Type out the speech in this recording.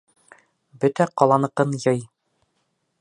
Бөтә ҡаланыҡын йый.